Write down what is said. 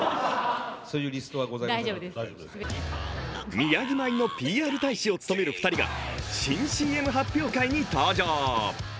みやぎ米のＰＲ大使を務める２人が新ＣＭ発表会に登場。